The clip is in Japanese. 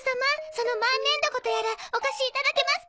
そのマンネンドコとやらお貸しいただけますか？